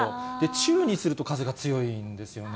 中にすると風が強いんですよね。